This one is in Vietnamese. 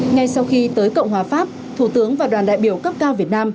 ngay sau khi tới cộng hòa pháp thủ tướng và đoàn đại biểu cấp cao việt nam